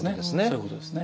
そういうことですね。